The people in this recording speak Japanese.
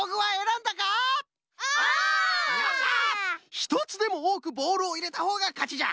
ひとつでもおおくボールをいれたほうがかちじゃ！